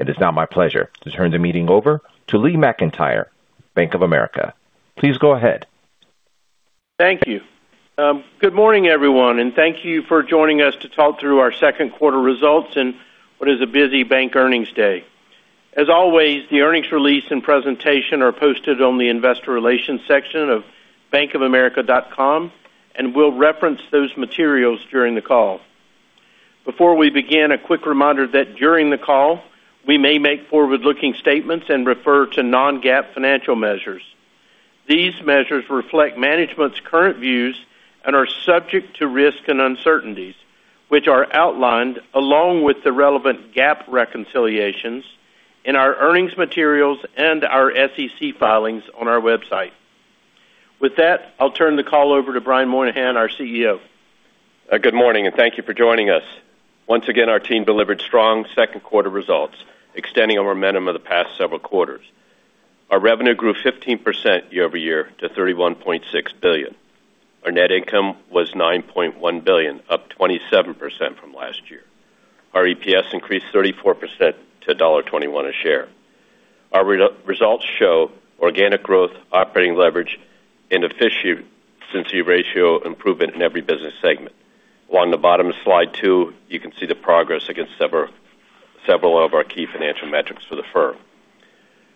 It is now my pleasure to turn the meeting over to Lee McEntire, Bank of America. Please go ahead. Thank you. Good morning, everyone, and thank you for joining us to talk through our second quarter results in what is a busy bank earnings day. As always, the earnings release and presentation are posted on the investor relations section of bankofamerica.com, and we'll reference those materials during the call. Before we begin, a quick reminder that during the call, we may make forward-looking statements and refer to non-GAAP financial measures. These measures reflect management's current views and are subject to risks and uncertainties, which are outlined, along with the relevant GAAP reconciliations in our earnings materials and our SEC filings on our website. With that, I'll turn the call over to Brian Moynihan, our CEO. Good morning, and thank you for joining us. Once again, our team delivered strong second quarter results, extending our momentum of the past several quarters. Our revenue grew 15% year-over-year to $31.6 billion. Our net income was $9.1 billion, up 27% from last year. Our EPS increased 34% to $1.21 a share. Our results show organic growth, operating leverage, and efficiency ratio improvement in every business segment. Along the bottom of slide two, you can see the progress against several of our key financial metrics for the firm.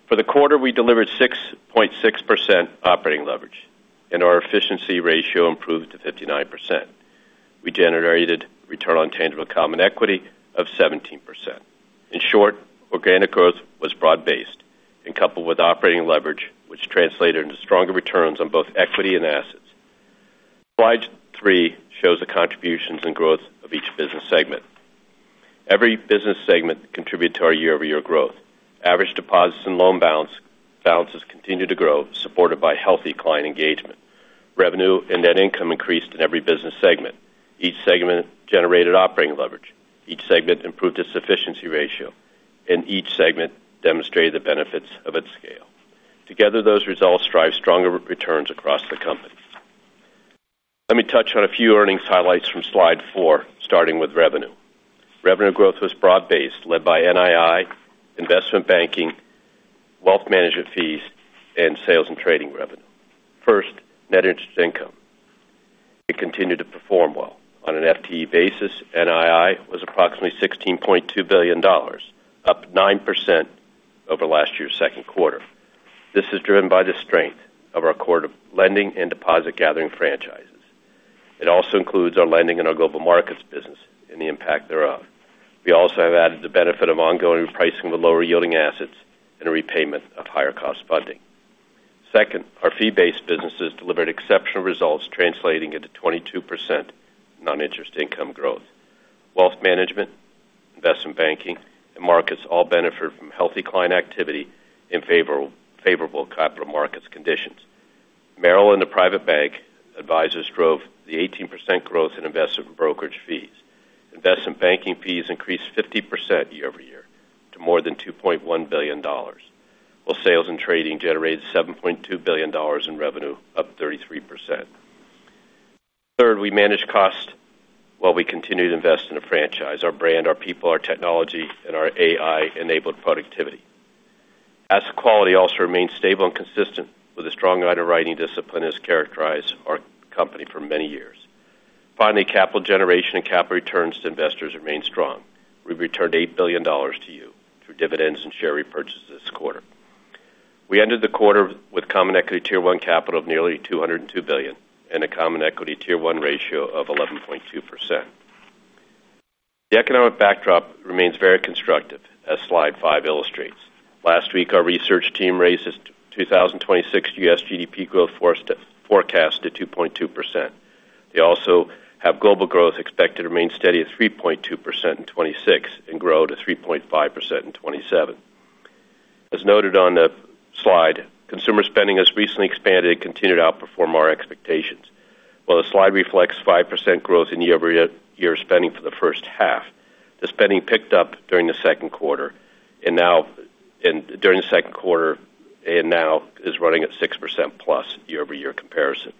For the quarter, we delivered 6.6% operating leverage, and our efficiency ratio improved to 59%. We generated return on tangible common equity of 17%. In short, organic growth was broad-based and coupled with operating leverage, which translated into stronger returns on both equity and assets. Slide three shows the contributions and growth of each business segment. Every business segment contributed to our year-over-year growth. Average deposits and loan balances continued to grow, supported by healthy client engagement. Revenue and net income increased in every business segment. Each segment generated operating leverage. Each segment improved its efficiency ratio. Each segment demonstrated the benefits of its scale. Together, those results drive stronger returns across the company. Let me touch on a few earnings highlights from slide four, starting with revenue. Revenue growth was broad-based, led by NII, investment banking, wealth management fees, and sales and trading revenue. First, net interest income. It continued to perform well. On an FTE basis, NII was approximately $16.2 billion, up 9% over last year's second quarter. This is driven by the strength of our core lending and deposit-gathering franchises. It also includes our lending in our Global Markets business and the impact thereof. We also have added the benefit of ongoing repricing with lower-yielding assets and a repayment of higher-cost funding. Second, our fee-based businesses delivered exceptional results, translating into 22% non-interest income growth. Wealth management, investment banking, and markets all benefit from healthy client activity in favorable capital markets conditions. Merrill and the Private Bank advisors drove the 18% growth in investment brokerage fees. Investment banking fees increased 50% year-over-year to more than $2.1 billion. While sales and trading generated $7.2 billion in revenue, up 33%. Third, we manage cost while we continue to invest in a franchise, our brand, our people, our technology, and our AI-enabled productivity. Asset quality also remains stable and consistent with the strong underwriting discipline that has characterized our company for many years. Finally, capital generation and capital returns to investors remain strong. We've returned $8 billion to you through dividends and share repurchases this quarter. We ended the quarter with common equity Tier 1 capital of nearly $202 billion and a common equity Tier 1 ratio of 11.2%. The economic backdrop remains very constructive, as slide five illustrates. Last week, our research team raised its 2026 U.S. GDP growth forecast to 2.2%. They also have global growth expected to remain steady at 3.2% in 2026 and grow to 3.5% in 2027. As noted on the slide, consumer spending has recently expanded and continued to outperform our expectations. While the slide reflects 5% growth in year-over-year spending for the first half, the spending picked up during the second quarter and now is running at 6%+year-over-year comparison.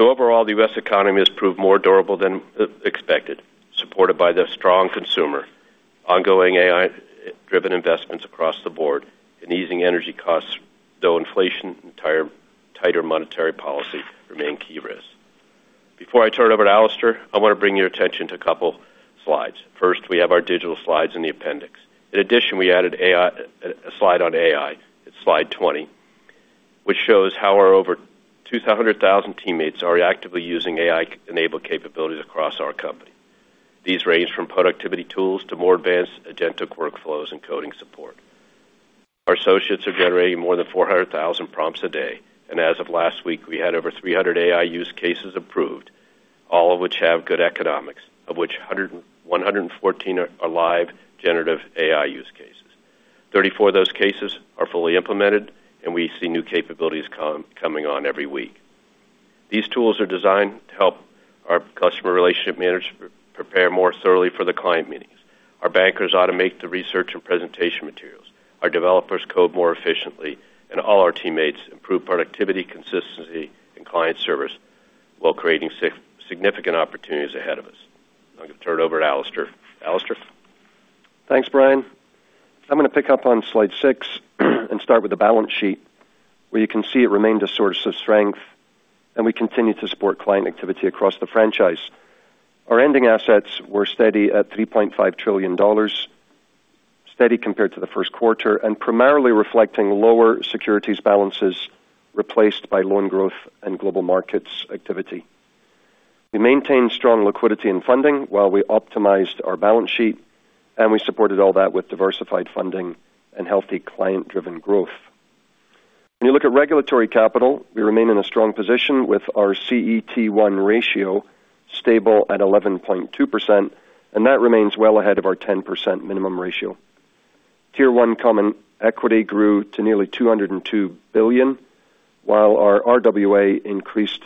Overall, the U.S. economy has proved more durable than expected, supported by the strong consumer, ongoing AI-driven investments across the board, and easing energy costs, though inflation and tighter monetary policy remain key risks. Before I turn it over to Alastair, I want to bring your attention to a couple slides. First, we have our digital slides in the appendix. In addition, we added a slide on AI. It's slide 20, which shows how our over 200,000 teammates are actively using AI-enabled capabilities across our company. These range from productivity tools to more advanced agentic workflows and coding support. Our associates are generating more than 400,000 prompts a day, and as of last week, we had over 300 AI use cases approved, all of which have good economics, of which 114 are live generative AI use cases. 34 of those cases are fully implemented, and we see new capabilities coming on every week. These tools are designed to help our customer relationship managers prepare more thoroughly for the client meetings. Our bankers automate the research and presentation materials. Our developers code more efficiently, and all our teammates improve productivity, consistency, and client service while creating significant opportunities ahead of us. Now I'm going to turn it over to Alastair. Alastair? Thanks, Brian. I'm going to pick up on slide six and start with the balance sheet, where you can see it remained a source of strength, and we continued to support client activity across the franchise. Our ending assets were steady at $3.5 trillion, steady compared to the first quarter, and primarily reflecting lower securities balances replaced by loan growth and Global Markets activity. We maintained strong liquidity and funding while we optimized our balance sheet, and we supported all that with diversified funding and healthy client-driven growth. When you look at regulatory capital, we remain in a strong position with our CET1 ratio stable at 11.2%, and that remains well ahead of our 10% minimum ratio. Tier 1 common equity grew to nearly $202 billion, while our RWA increased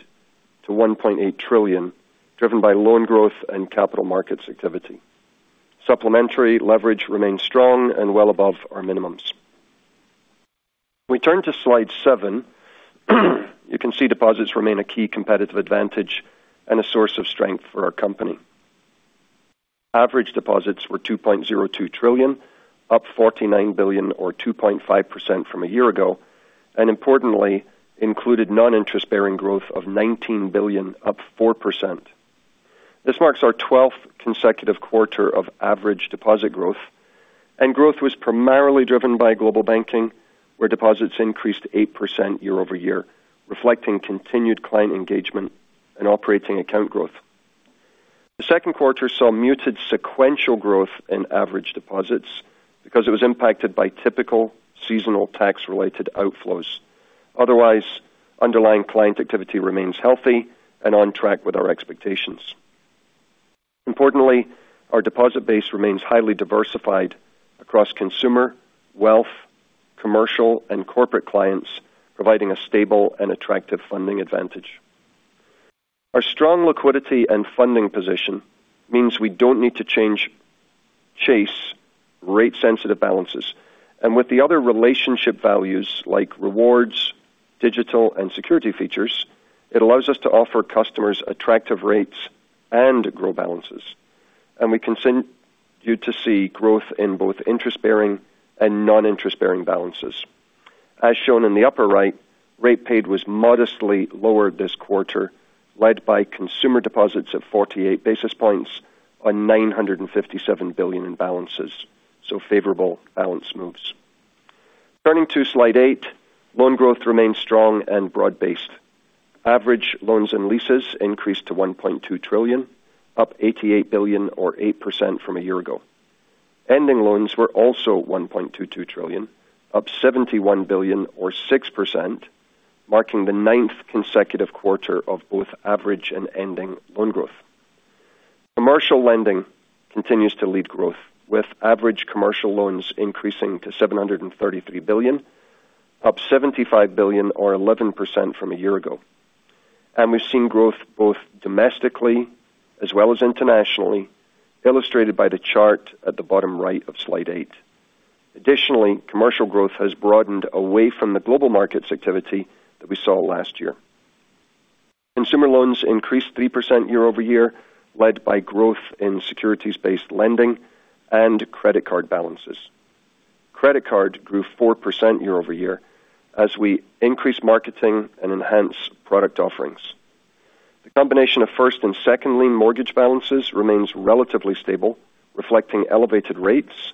to $1.8 trillion, driven by loan growth and capital markets activity. Supplementary leverage remains strong and well above our minimums. When we turn to slide seven, you can see deposits remain a key competitive advantage and a source of strength for our company. Average deposits were $2.02 trillion, up $49 billion or 2.5% from a year ago, and importantly, included non-interest-bearing growth of $19 billion, up 4%. This marks our 12th consecutive quarter of average deposit growth. Growth was primarily driven by Global Banking, where deposits increased 8% year-over-year, reflecting continued client engagement and operating account growth. The second quarter saw muted sequential growth in average deposits because it was impacted by typical seasonal tax-related outflows. Otherwise, underlying client activity remains healthy and on track with our expectations. Importantly, our deposit base remains highly diversified across consumer, wealth, commercial, and corporate clients, providing a stable and attractive funding advantage. Our strong liquidity and funding position means we don't need to change cash rate-sensitive balances. With the other relationship values like rewards, digital, and security features, it allows us to offer customers attractive rates and grow balances. We continue to see growth in both interest-bearing and non-interest-bearing balances. As shown in the upper right, rate paid was modestly lower this quarter, led by consumer deposits of 48 basis points on $957 billion in balances, so favorable balance moves. Turning to slide eight, loan growth remains strong and broad-based. Average loans and leases increased to $1.2 trillion, up $88 billion or 8% from a year ago. Ending loans were also $1.22 trillion, up $71 billion or 6%, marking the ninth consecutive quarter of both average and ending loan growth. Commercial lending continues to lead growth, with average commercial loans increasing to $733 billion, up $75 billion or 11% from a year ago. We've seen growth both domestically as well as internationally, illustrated by the chart at the bottom right of slide eight. Additionally, commercial growth has broadened away from the Global Markets activity that we saw last year. Consumer loans increased 3% year-over-year, led by growth in securities-based lending and credit card balances. Credit card grew 4% year-over-year as we increased marketing and enhanced product offerings. The combination of first and second lien mortgage balances remains relatively stable, reflecting elevated rates,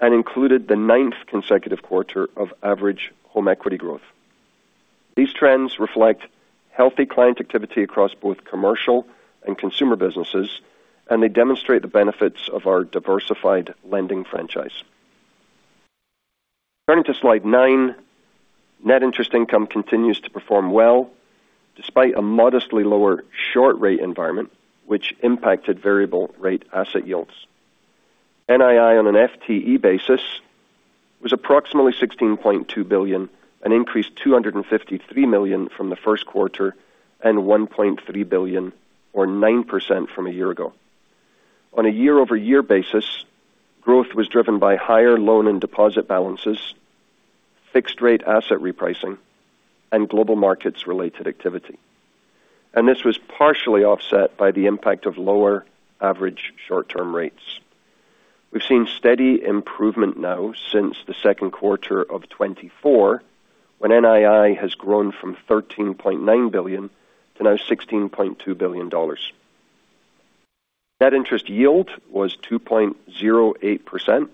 and included the ninth consecutive quarter of average home equity growth. These trends reflect healthy client activity across both commercial and consumer businesses, and they demonstrate the benefits of our diversified lending franchise. Turning to slide nine, net interest income continues to perform well despite a modestly lower short rate environment, which impacted variable rate asset yields. NII on an FTE basis was approximately $16.2 billion, an increase $253 million from the first quarter and $1.3 billion or 9% from a year ago. On a year-over-year basis, growth was driven by higher loan and deposit balances, fixed rate asset repricing, and Global Markets-related activity. This was partially offset by the impact of lower average short-term rates. We've seen steady improvement now since the second quarter of 2024, when NII has grown from $13.9 billion to now $16.2 billion. Net interest yield was 2.08%.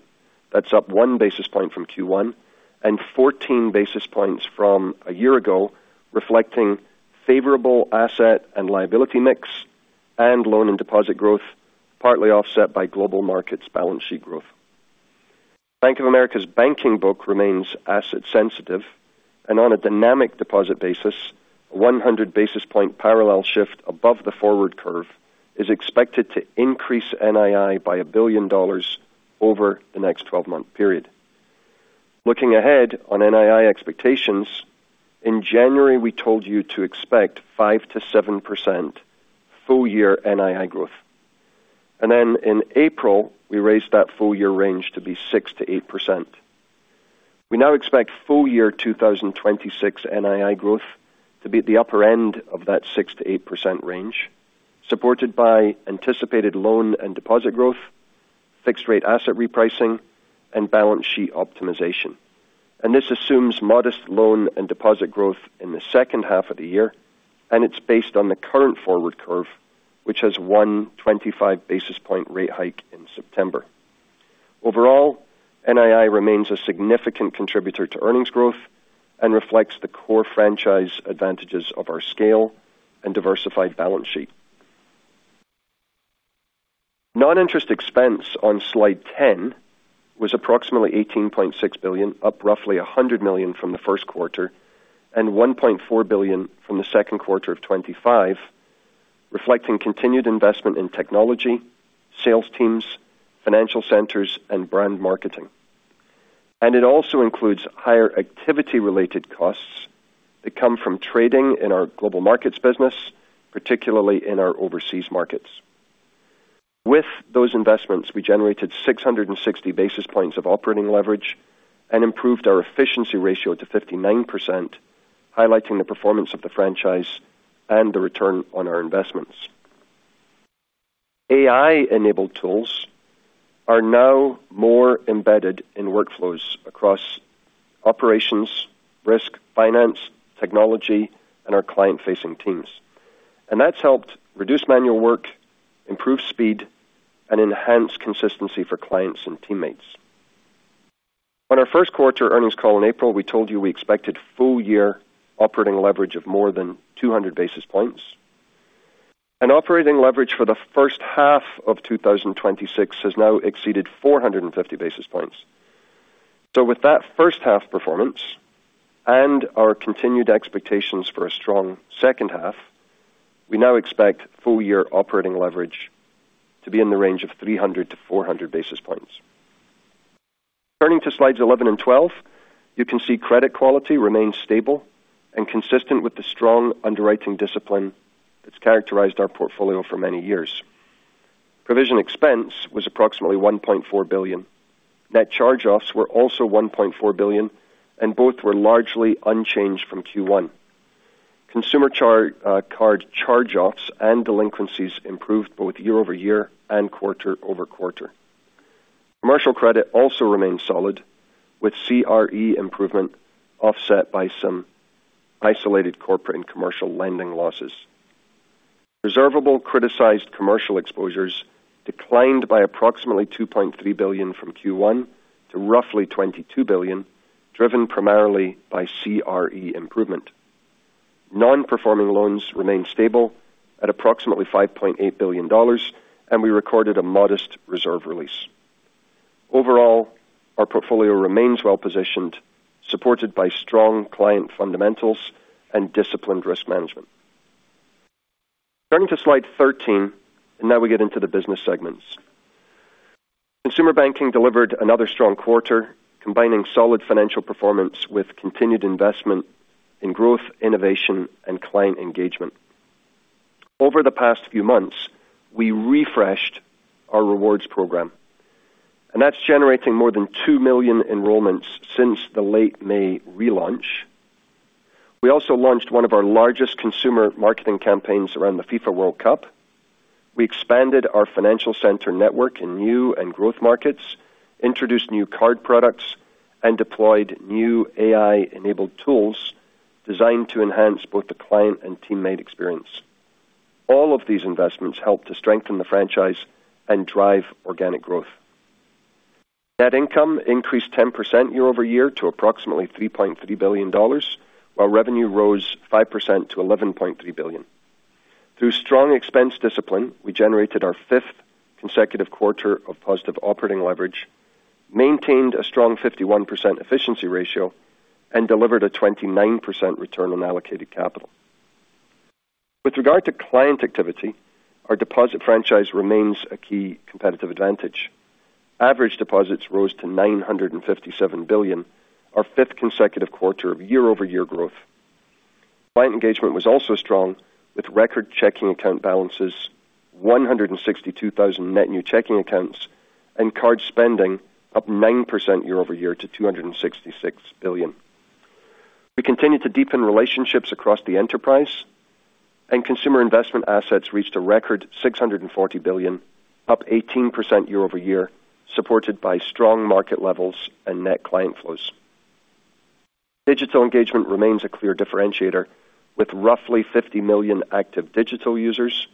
That's up 1 basis point from Q1 and 14 basis points from a year ago, reflecting favorable asset and liability mix and loan and deposit growth, partly offset by Global Markets balance sheet growth. Bank of America's banking book remains asset sensitive, on a dynamic deposit basis, a 100 basis points parallel shift above the forward curve is expected to increase NII by $1 billion over the next 12-month period. Looking ahead on NII expectations, in January, we told you to expect 5%-7% full year NII growth. In April, we raised that full year range to be 6%-8%. We now expect full year 2026 NII growth to be at the upper end of that 6%-8% range, supported by anticipated loan and deposit growth, fixed rate asset repricing, and balance sheet optimization. This assumes modest loan and deposit growth in the second half of the year, and it's based on the current forward curve, which has one 25 basis points rate hike in September. Overall, NII remains a significant contributor to earnings growth and reflects the core franchise advantages of our scale and diversified balance sheet. Non-interest expense on slide 10 was approximately $18.6 billion, up roughly $100 million from the first quarter and $1.4 billion from the second quarter of 2025, reflecting continued investment in technology, sales teams, financial centers, and brand marketing. It also includes higher activity-related costs that come from trading in our Global Markets business, particularly in our overseas markets. With those investments, we generated 660 basis points of operating leverage and improved our efficiency ratio to 59%, highlighting the performance of the franchise and the return on our investments. AI-enabled tools are now more embedded in workflows across operations, risk, finance, technology, and our client-facing teams. That's helped reduce manual work, improve speed, and enhance consistency for clients and teammates. On our first quarter earnings call in April, we told you we expected full-year operating leverage of more than 200 basis points. Operating leverage for the first half of 2026 has now exceeded 450 basis points. With that first half performance and our continued expectations for a strong second half, we now expect full-year operating leverage to be in the range of 300-400 basis points. Turning to slides 11 and 12, you can see credit quality remains stable and consistent with the strong underwriting discipline that's characterized our portfolio for many years. Provision expense was approximately $1.4 billion. Net charge-offs were also $1.4 billion, and both were largely unchanged from Q1. Consumer card charge-offs and delinquencies improved both year-over-year and quarter-over-quarter. Commercial credit also remained solid, with CRE improvement offset by some isolated corporate and commercial lending losses. Reservable criticized commercial exposures declined by approximately $2.3 billion from Q1 to roughly $22 billion, driven primarily by CRE improvement. Non-performing loans remained stable at approximately $5.8 billion, and we recorded a modest reserve release. Overall, our portfolio remains well-positioned, supported by strong client fundamentals and disciplined risk management. Turning to slide 13, now we get into the business segments. Consumer Banking delivered another strong quarter, combining solid financial performance with continued investment in growth, innovation, and client engagement. Over the past few months, we refreshed our rewards program, that's generating more than 2 million enrollments since the late May relaunch. We also launched one of our largest consumer marketing campaigns around the FIFA World Cup. We expanded our financial center network in new and growth markets, introduced new card products, and deployed new AI-enabled tools designed to enhance both the client and teammate experience. All of these investments help to strengthen the franchise and drive organic growth. Net income increased 10% year-over-year to approximately $3.3 billion, while revenue rose 5% to $11.3 billion. Through strong expense discipline, we generated our fifth consecutive quarter of positive operating leverage, maintained a strong 51% efficiency ratio, and delivered a 29% return on allocated capital. With regard to client activity, our deposit franchise remains a key competitive advantage. Average deposits rose to $957 billion, our fifth consecutive quarter of year-over-year growth. Client engagement was also strong with record checking account balances, 162,000 net new checking accounts, and card spending up 9% year-over-year to $266 billion. We continued to deepen relationships across the enterprise, consumer investment assets reached a record $640 billion, up 18% year-over-year, supported by strong market levels and net client flows. Digital engagement remains a clear differentiator, with roughly 50 million active digital users,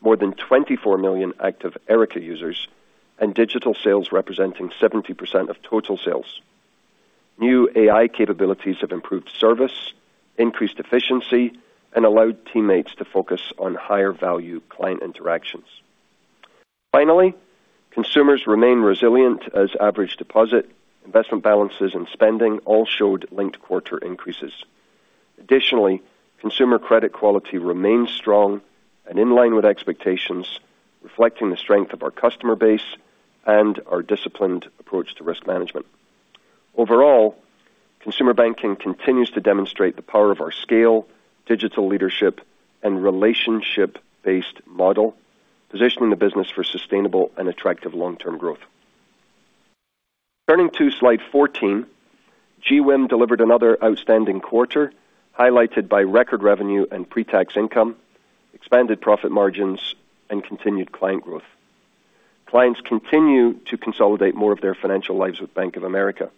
more than 24 million active Erica users, and digital sales representing 70% of total sales. New AI capabilities have improved service, increased efficiency, and allowed teammates to focus on higher-value client interactions. Finally, consumers remain resilient as average deposit investment balances and spending all showed linked quarter increases. Additionally, consumer credit quality remains strong and in line with expectations, reflecting the strength of our customer base and our disciplined approach to risk management. Overall, Consumer Banking continues to demonstrate the power of our scale, digital leadership, and relationship-based model, positioning the business for sustainable and attractive long-term growth. Turning to slide 14, GWIM delivered another outstanding quarter, highlighted by record revenue and pre-tax income, expanded profit margins, and continued client growth. Clients continue to consolidate more of their financial lives with Bank of America.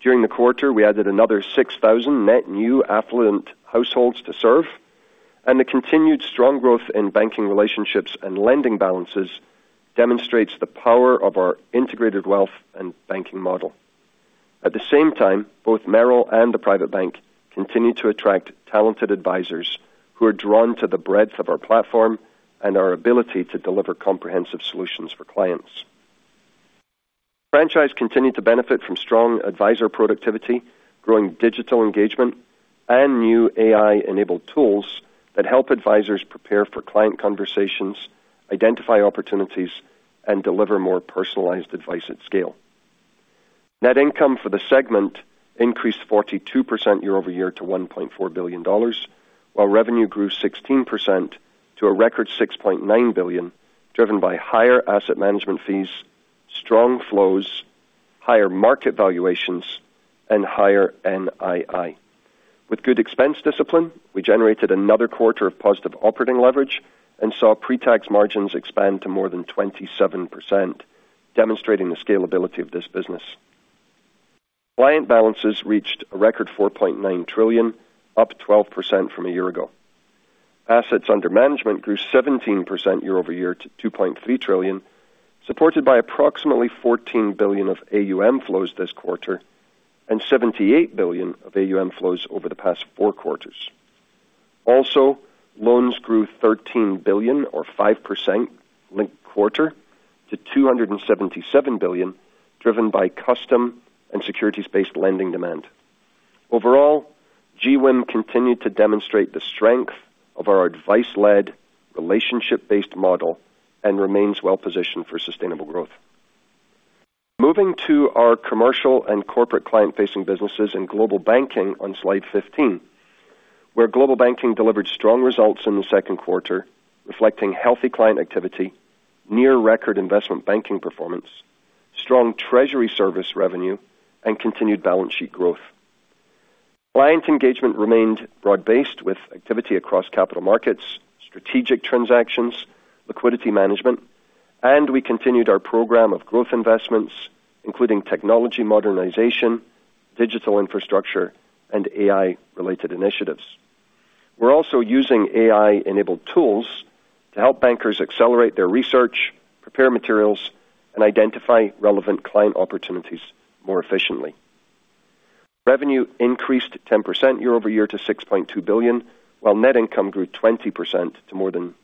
During the quarter, we added another 6,000 net new affluent households to serve, the continued strong growth in banking relationships and lending balances demonstrates the power of our integrated wealth and banking model. At the same time, both Merrill and the Private Bank continue to attract talented advisors who are drawn to the breadth of our platform and our ability to deliver comprehensive solutions for clients. Franchise continued to benefit from strong advisor productivity, growing digital engagement, and new AI-enabled tools that help advisors prepare for client conversations, identify opportunities, and deliver more personalized advice at scale. Net income for the segment increased 42% year-over-year to $1.4 billion, while revenue grew 16% to a record $6.9 billion, driven by higher asset management fees, strong flows, higher market valuations, and higher NII. With good expense discipline, we generated another quarter of positive operating leverage and saw pre-tax margins expand to more than 27%, demonstrating the scalability of this business. Client balances reached a record $4.9 trillion, up 12% from a year ago. Assets under management grew 17% year-over-year to $2.3 trillion, supported by approximately $14 billion of AUM flows this quarter and $78 billion of AUM flows over the past four quarters. Loans grew $13 billion or 5% linked quarter to $277 billion, driven by custom and securities-based lending demand. Overall, GWIM continued to demonstrate the strength of our advice-led, relationship-based model and remains well-positioned for sustainable growth. Moving to our commercial and corporate client-facing businesses in Global Banking on slide 15, where Global Banking delivered strong results in the second quarter, reflecting healthy client activity, near-record investment banking performance, strong treasury service revenue, and continued balance sheet growth. Client engagement remained broad-based with activity across capital markets, strategic transactions, liquidity management, we continued our program of growth investments, including technology modernization, digital infrastructure, and AI-related initiatives. We're also using AI-enabled tools to help bankers accelerate their research, prepare materials, and identify relevant client opportunities more efficiently. Revenue increased 10% year-over-year to $6.2 billion, while net income grew 20% to more than $2 billion.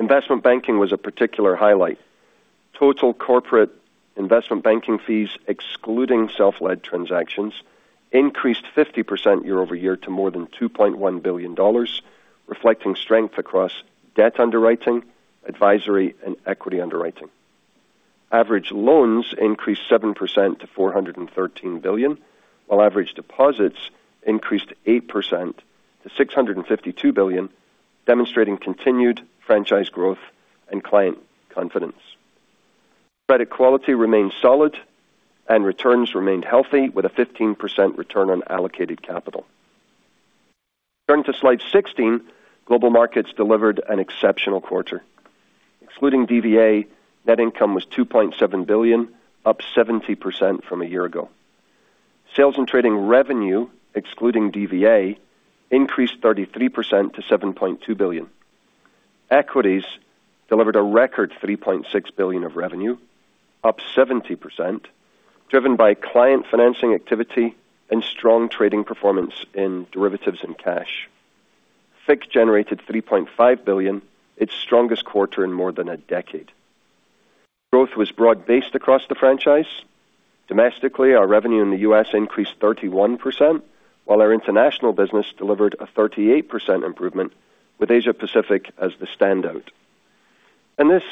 Investment banking was a particular highlight. Total corporate investment banking fees, excluding self-led transactions, increased 50% year-over-year to more than $2.1 billion, reflecting strength across debt underwriting, advisory, and equity underwriting. Average loans increased 7% to $413 billion, while average deposits increased 8% to $652 billion, demonstrating continued franchise growth and client confidence. Credit quality remained solid, returns remained healthy with a 15% return on allocated capital. Turning to slide 16, Global Markets delivered an exceptional quarter. Excluding DVA, net income was $2.7 billion, up 70% from a year ago. Sales and trading revenue, excluding DVA, increased 33% to $7.2 billion. Equities delivered a record $3.6 billion of revenue, up 70%, driven by client financing activity and strong trading performance in derivatives and cash. FICC generated $3.5 billion, its strongest quarter in more than a decade. Growth was broad-based across the franchise. Domestically, our revenue in the U.S. increased 31%, while our international business delivered a 38% improvement, with Asia-Pacific as the standout. This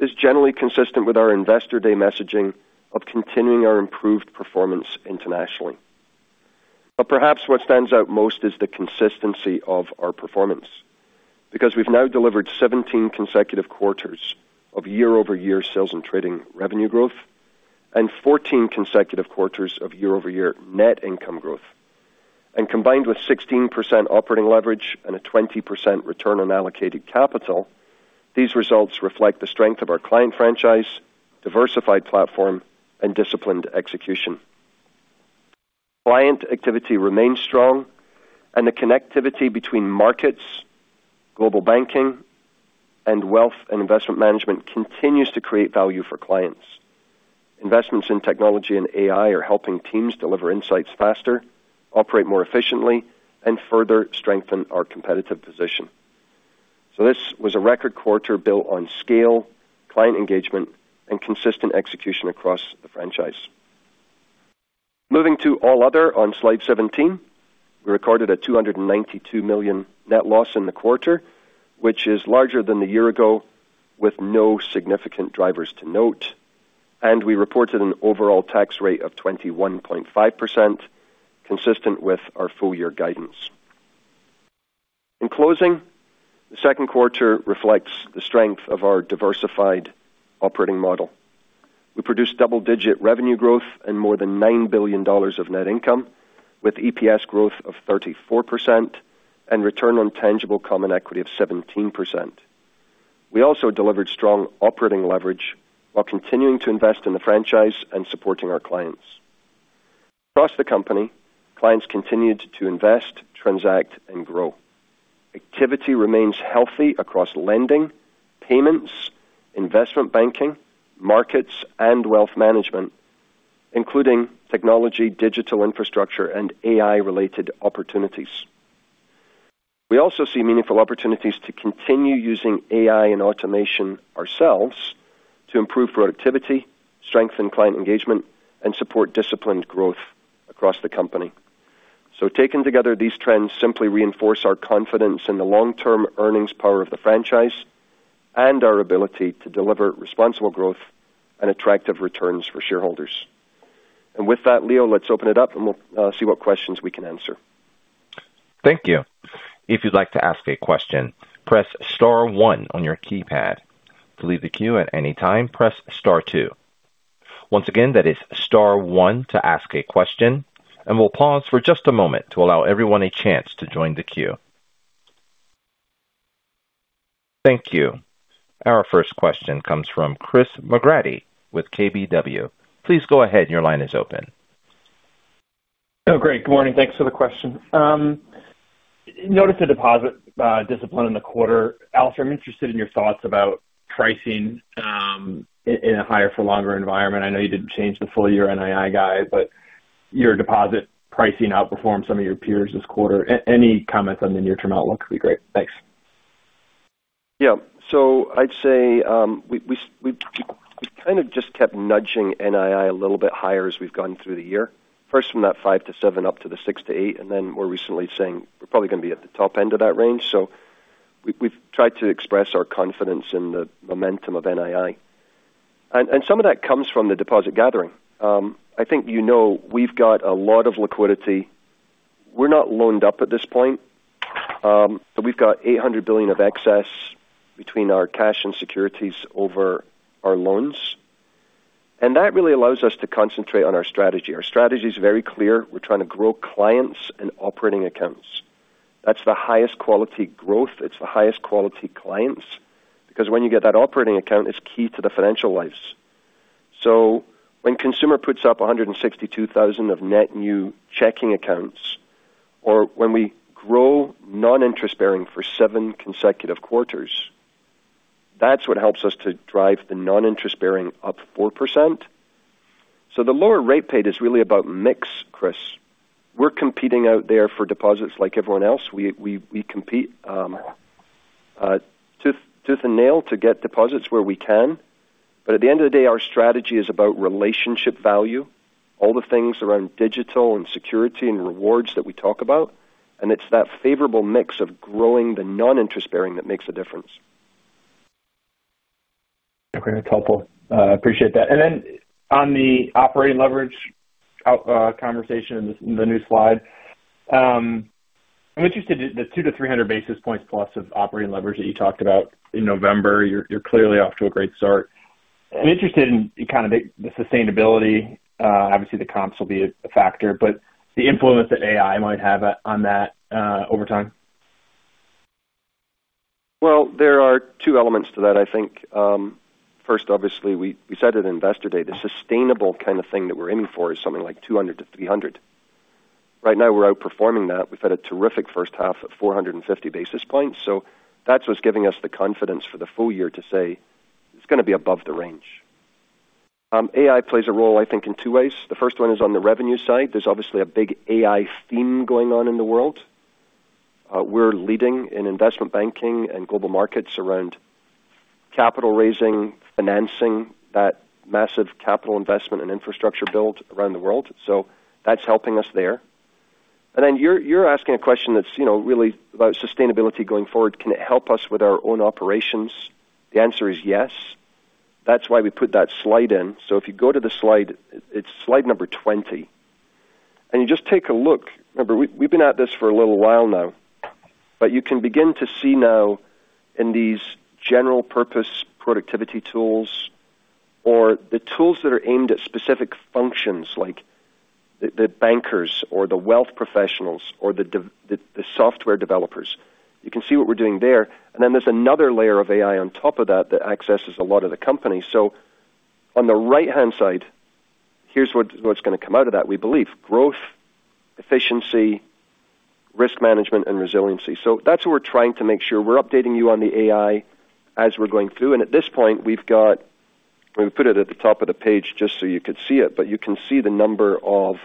is generally consistent with our Investor Day messaging of continuing our improved performance internationally. Perhaps what stands out most is the consistency of our performance, because we've now delivered 17th consecutive quarters of year-over-year sales and trading revenue growth and 14th consecutive quarters of year-over-year net income growth. Combined with 16% operating leverage and a 20% return on allocated capital, these results reflect the strength of our client franchise, diversified platform, and disciplined execution. Client activity remains strong and the connectivity between markets, Global Banking, and Wealth and Investment Management continues to create value for clients. Investments in technology and AI are helping teams deliver insights faster, operate more efficiently, and further strengthen our competitive position. This was a record quarter built on scale, client engagement, and consistent execution across the franchise. Moving to all other on slide 17. We recorded a $292 million net loss in the quarter, which is larger than the year ago with no significant drivers to note. We reported an overall tax rate of 21.5%, consistent with our full-year guidance. In closing, the second quarter reflects the strength of our diversified operating model. We produced double-digit revenue growth and more than $9 billion of net income, with EPS growth of 34% and return on tangible common equity of 17%. We also delivered strong operating leverage while continuing to invest in the franchise and supporting our clients. Across the company, clients continued to invest, transact, and grow. Activity remains healthy across lending, payments, investment banking, markets, and wealth management, including technology, digital infrastructure, and AI-related opportunities. We also see meaningful opportunities to continue using AI and automation ourselves to improve productivity, strengthen client engagement, and support disciplined growth across the company. Taken together, these trends simply reinforce our confidence in the long-term earnings power of the franchise and our ability to deliver responsible growth and attractive returns for shareholders. With that, Leo, let's open it up and we'll see what questions we can answer. Thank you. If you'd like to ask a question, press star one on your keypad. To leave the queue at any time, press star two. Once again, that is star one to ask a question, and we'll pause for just a moment to allow everyone a chance to join the queue. Thank you. Our first question comes from Chris McGratty with KBW. Please go ahead. Your line is open. Great. Good morning. Thanks for the question. Notice the deposit discipline in the quarter. Alastair, I'm interested in your thoughts about pricing in a higher for longer environment. I know you didn't change the full-year NII guide, but your deposit pricing outperformed some of your peers this quarter. Any comments on the near-term outlook would be great. Thanks. I'd say we kind of just kept nudging NII a little bit higher as we've gone through the year, first from that five-seven up to the six-eight, then more recently saying we're probably going to be at the top end of that range. We've tried to express our confidence in the momentum of NII. Some of that comes from the deposit gathering. I think you know we've got a lot of liquidity. We're not loaned up at this point. We've got $800 billion of excess between our cash and securities over our loans. That really allows us to concentrate on our strategy. Our strategy is very clear. We're trying to grow clients and operating accounts. That's the highest quality growth. It's the highest quality clients. Because when you get that operating account, it's key to the financial lives. When consumer puts up 162,000 of net new checking accounts, or when we grow non-interest bearing for seven consecutive quarters, that's what helps us to drive the non-interest bearing up 4%. The lower rate paid is really about mix, Chris. We're competing out there for deposits like everyone else. We compete tooth and nail to get deposits where we can. At the end of the day, our strategy is about relationship value, all the things around digital and security and rewards that we talk about. It's that favorable mix of growing the non-interest bearing that makes a difference. Okay. That's helpful. I appreciate that. On the operating leverage conversation in the new slide. I'm interested the 200-300 basis points plus of operating leverage that you talked about in November. You're clearly off to a great start. I'm interested in kind of the sustainability. Obviously, the comps will be a factor, but the influence that AI might have on that over time. Well, there are two elements to that, I think. First, obviously, we said at Investor Day, the sustainable kind of thing that we're aiming for is something like 200-300. Right now we're outperforming that. We've had a terrific first half at 450 basis points. That's what's giving us the confidence for the full year to say it's going to be above the range. AI plays a role, I think, in two ways. The first one is on the revenue side. There's obviously a big AI theme going on in the world. We're leading in investment banking and Global Markets around capital raising, financing that massive capital investment and infrastructure build around the world. That's helping us there. You're asking a question that's really about sustainability going forward. Can it help us with our own operations? The answer is yes. That's why we put that slide in. If you go to the slide, it's slide number 20. You just take a look. Remember, we've been at this for a little while now, but you can begin to see now in these general purpose productivity tools or the tools that are aimed at specific functions like the bankers or the wealth professionals or the software developers. You can see what we're doing there. There's another layer of AI on top of that that accesses a lot of the company. On the right-hand side, here's what's going to come out of that, we believe. Growth, efficiency, risk management, and resiliency. That's what we're trying to make sure. We're updating you on the AI as we're going through. At this point, we put it at the top of the page just so you could see it, but you can see the number of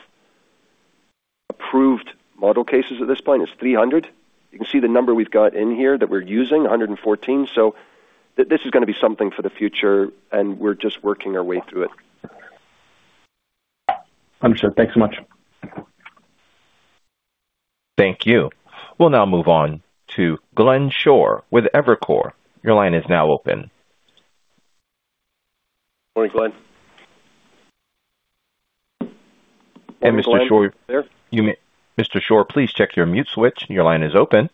approved model cases at this point is 300. You can see the number we've got in here that we're using, 114. This is going to be something for the future, and we're just working our way through it. Understood. Thanks so much. Thank you. We'll now move on to Glenn Schorr with Evercore. Your line is now open. Morning, Glenn. Mr. Schorr. You there? Mr. Schorr, please check your mute switch. Your line is open.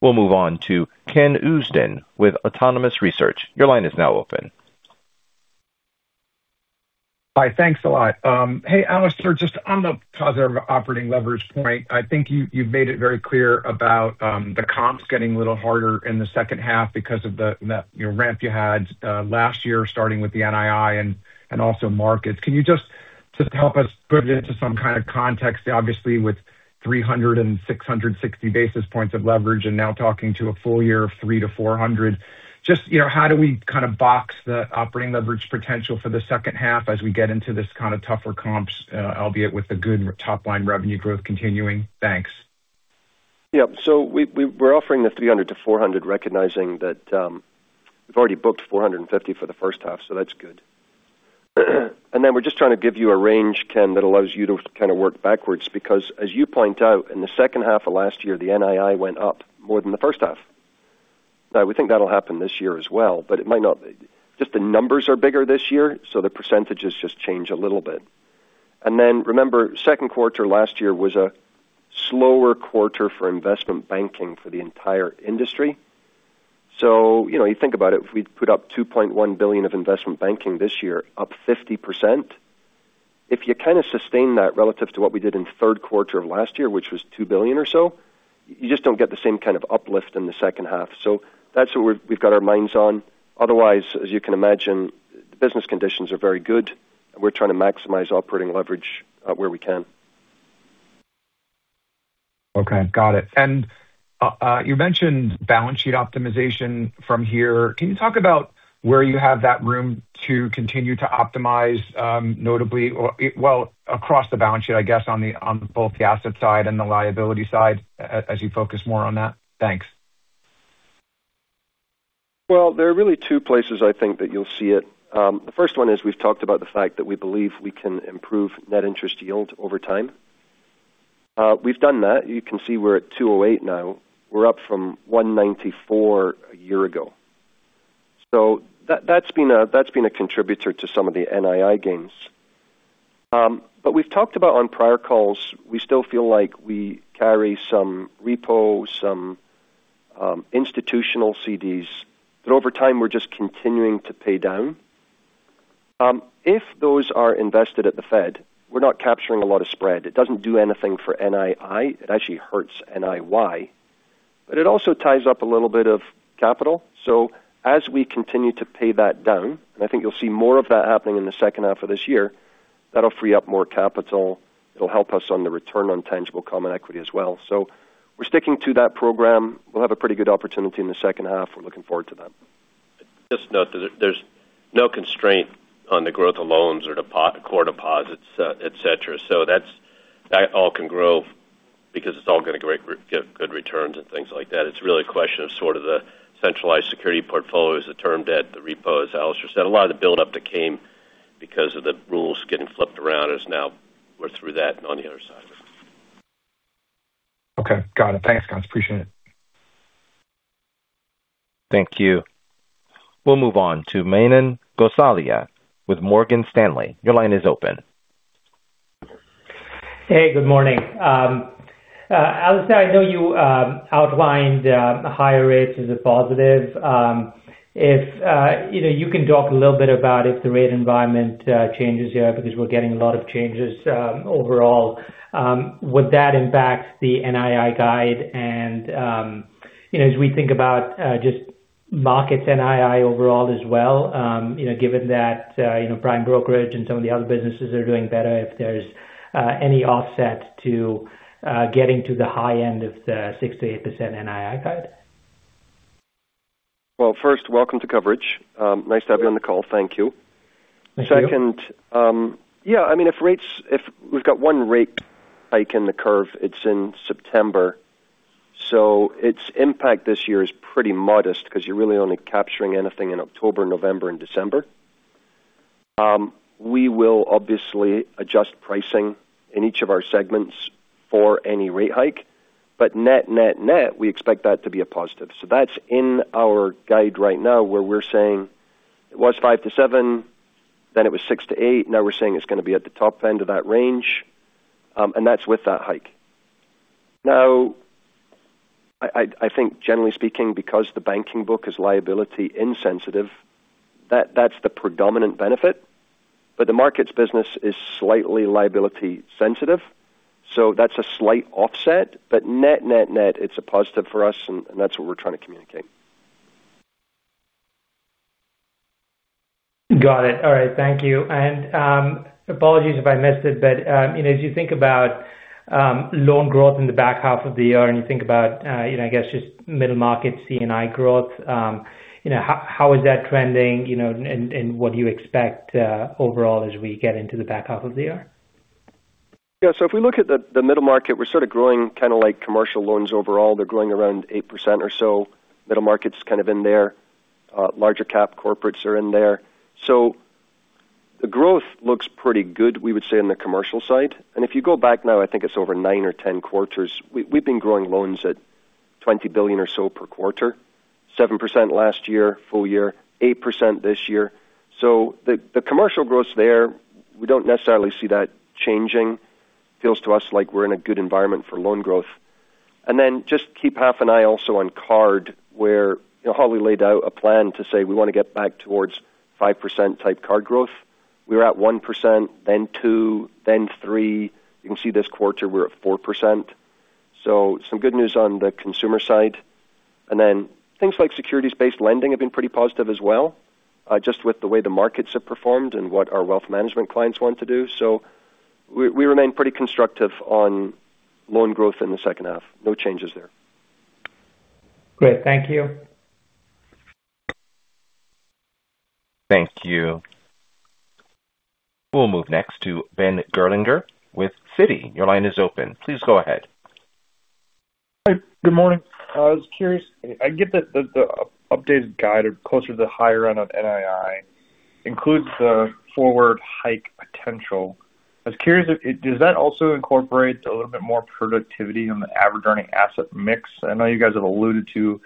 We'll move on to Ken Usdin with Autonomous Research. Your line is now open. Hi, thanks a lot. Hey, Alastair, just on the positive operating leverage point, I think you've made it very clear about the comps getting a little harder in the second half because of the ramp you had last year, starting with the NII and also markets. Can you just help us put it into some kind of context? Obviously, with 300 and 660 basis points of leverage and now talking to a full year of 300-400, just how do we kind of box the operating leverage potential for the second half as we get into this kind of tougher comps, albeit with the good top-line revenue growth continuing? Thanks. Yeah. We're offering the 300-400, recognizing that we've already booked 450 for the first half, so that's good. We're just trying to give you a range, Ken, that allows you to kind of work backwards, because as you point out, in the second half of last year, the NII went up more than the first half. Now, we think that'll happen this year as well, but it might not. Just the numbers are bigger this year, so the percentages just change a little bit. Remember, second quarter last year was a slower quarter for investment banking for the entire industry. You think about it, if we put up $2.1 billion of investment banking this year, up 50%, if you kind of sustain that relative to what we did in the third quarter of last year, which was $2 billion or so, you just don't get the same kind of uplift in the second half. That's what we've got our minds on. Otherwise, as you can imagine, business conditions are very good. We're trying to maximize operating leverage where we can. Okay. Got it. You mentioned balance sheet optimization from here. Can you talk about where you have that room to continue to optimize, well, across the balance sheet, I guess, on both the asset side and the liability side as you focus more on that? Thanks. Well, there are really two places I think that you'll see it. The first one is we've talked about the fact that we believe we can improve net interest yield over time. We've done that. You can see we're at 2.08% now. We're up from 1.94% a year ago. That's been a contributor to some of the NII gains. We've talked about on prior calls, we still feel like we carry some repo, some institutional CDs, that over time, we're just continuing to pay down. If those are invested at the Fed, we're not capturing a lot of spread. It doesn't do anything for NII. It actually hurts NIY. It also ties up a little bit of capital. As we continue to pay that down, and I think you'll see more of that happening in the second half of this year, that'll free up more capital. It'll help us on the return on tangible common equity as well. We're sticking to that program. We'll have a pretty good opportunity in the second half. We're looking forward to that. Just note that there's no constraint on the growth of loans or core deposits, et cetera. That all can grow because it's all going to give good returns and things like that. It's really a question of sort of the centralized security portfolio is the term debt, the repos. As Alastair said, a lot of the buildup that came because of the rules getting flipped around is now we're through that and on the other side of it. Okay. Got it. Thanks, guys. Appreciate it. Thank you. We'll move on to Manan Gosalia with Morgan Stanley. Your line is open. Hey, good morning. Alastair, I know you outlined higher rates as a positive. If you can talk a little bit about if the rate environment changes here because we're getting a lot of changes overall. Would that impact the NII guide and as we think about just markets NII overall as well, given that prime brokerage and some of the other businesses are doing better, if there's any offset to getting to the high end of the 6%-8% NII guide. Well, first, welcome to coverage. Nice to have you on the call. Thank you. Thank you. Second, yeah, I mean, if we've got one rate hike in the curve, it's in September. Its impact this year is pretty modest because you're really only capturing anything in October, November, and December. We will obviously adjust pricing in each of our segments for any rate hike. Net, net, we expect that to be a positive. That's in our guide right now where we're saying it was five-seven, then it was six-eight. We're saying it's going to be at the top end of that range. That's with that hike. I think generally speaking, because the banking book is liability insensitive, that's the predominant benefit. The markets business is slightly liability sensitive, so that's a slight offset. Net, net, it's a positive for us, and that's what we're trying to communicate. Got it. All right. Thank you. Apologies if I missed it, as you think about loan growth in the back half of the year and you think about I guess just middle market C&I growth, how is that trending, and what do you expect overall as we get into the back half of the year? If we look at the middle market, we're sort of growing like commercial loans overall. They're growing around 8% or so. Middle market's in there. Larger cap corporates are in there. The growth looks pretty good, we would say, on the commercial side. If you go back now, I think it's over 9 or 10 quarters, we've been growing loans at $20 billion or so per quarter. 7% last year, full year, 8% this year. The commercial growth's there. We don't necessarily see that changing. Feels to us like we're in a good environment for loan growth. Just keep half an eye also on card where Holly laid out a plan to say we want to get back towards 5% type card growth. We were at 1%, then two, then three. You can see this quarter we're at 4%. Some good news on the consumer side. Things like securities-based lending have been pretty positive as well, just with the way the markets have performed and what our wealth management clients want to do. We remain pretty constructive on loan growth in the second half. No changes there. Great. Thank you. Thank you. We'll move next to Ben Gerlinger with Citi. Your line is open. Please go ahead. Hi. Good morning. I was curious. I get that the updated guide closer to the higher end of NII includes the forward hike potential. I was curious if, does that also incorporate a little bit more productivity on the average earning asset mix? I know you guys have alluded to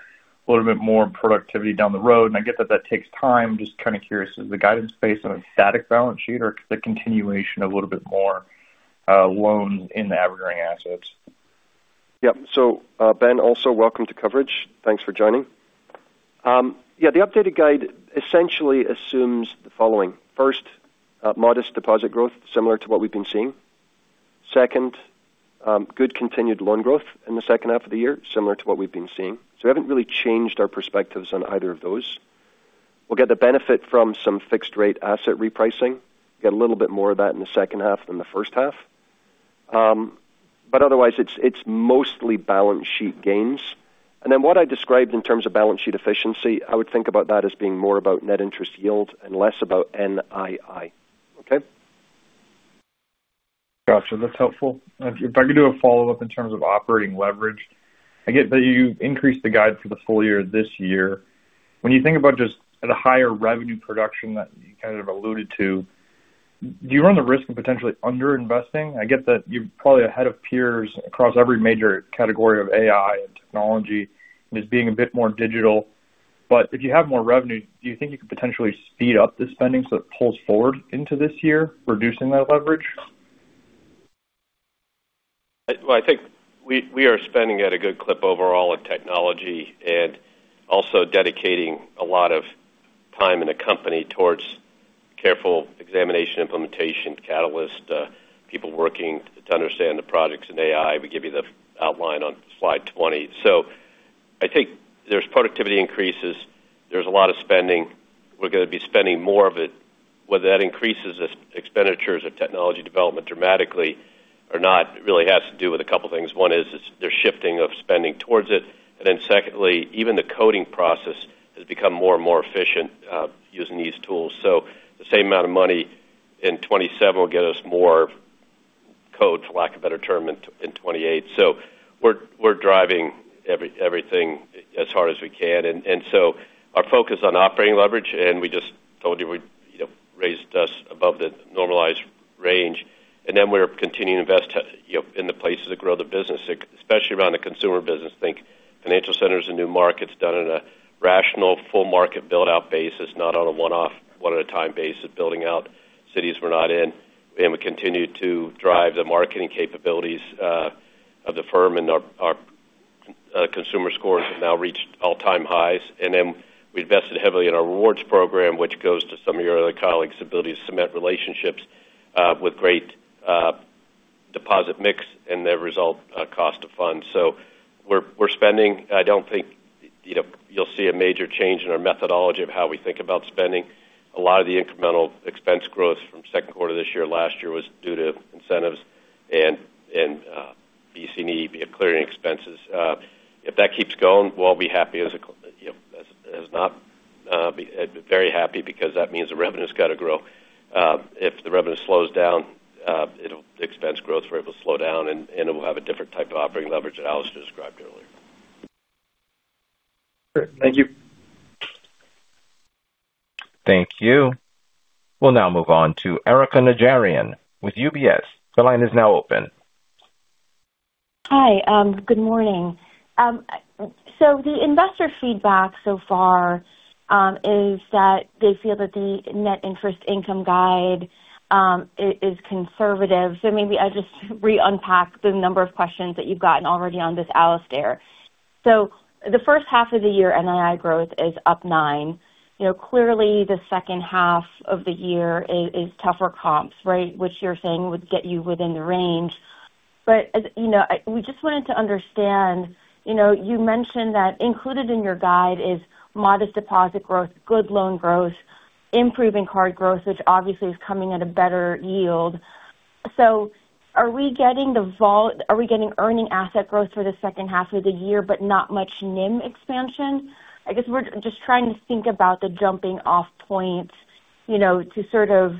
a little bit more productivity down the road, and I get that that takes time. Just kind of curious, is the guidance based on a static balance sheet or the continuation of a little bit more loans in the average earning assets? Yep. Ben, also, welcome to coverage. Thanks for joining. Yeah, the updated guide essentially assumes the following. First, modest deposit growth similar to what we've been seeing. Second, good continued loan growth in the second half of the year, similar to what we've been seeing. We haven't really changed our perspectives on either of those. We'll get the benefit from some fixed rate asset repricing, get a little bit more of that in the second half than the first half. Otherwise, it's mostly balance sheet gains. What I described in terms of balance sheet efficiency, I would think about that as being more about net interest yield and less about NII. Okay? Gotcha. That's helpful. If I could do a follow-up in terms of operating leverage. I get that you've increased the guide for the full year this year. When you think about just the higher revenue production that you kind of alluded to, do you run the risk of potentially under-investing? I get that you're probably ahead of peers across every major category of AI and technology and just being a bit more digital. If you have more revenue, do you think you could potentially speed up the spending so it pulls forward into this year, reducing that leverage? I think we are spending at a good clip overall in technology and also dedicating a lot of time in the company towards careful examination implementation, catalyst, people working to understand the projects in AI. We gave you the outline on slide 20. I think there's productivity increases. There's a lot of spending. We're going to be spending more of it. Whether that increases expenditures of technology development dramatically or not, it really has to do with a couple of things. One is the shifting of spending towards it. Secondly, even the coding process has become more and more efficient using these tools. The same amount of money in 2027 will get us more code, for lack of a better term, in 2028. We're driving everything as hard as we can. Our focus on operating leverage, and we just told you we raised us above the normalized range. We're continuing to invest in the places that grow the business, especially around the Consumer Banking. Think financial centers and new markets done on a rational, full market build-out basis, not on a one-off, one-at-a-time basis, building out cities we're not in. We continue to drive the marketing capabilities of the firm and our consumer scores have now reached all-time highs. We invested heavily in our rewards program, which goes to some of your other colleagues' ability to cement relationships with great deposit mix and the result cost of funds. We're spending. I don't think you'll see a major change in our methodology of how we think about spending. A lot of the incremental expense growth from second quarter this year, last year was due to incentives and BC&E clearing expenses. If that keeps going, we'll be happy as a very happy because that means the revenue's got to grow. If the revenue slows down, expense growth rate will slow down, and it will have a different type of operating leverage that Alastair described earlier. Great. Thank you. Thank you. We'll now move on to Erika Najarian with UBS. The line is now open. Hi. Good morning. The investor feedback so far, is that they feel that the net interest income guide is conservative. Maybe I'll just re-unpack the number of questions that you've gotten already on this, Alastair. The first half of the year, NII growth is up nine. Clearly the second half of the year is tougher comps, right? Which you're saying would get you within the range. We just wanted to understand. You mentioned that included in your guide is modest deposit growth, good loan growth, improving card growth, which obviously is coming at a better yield. Are we getting earning asset growth for the second half of the year, but not much NIM expansion? I guess we're just trying to think about the jumping off point To sort of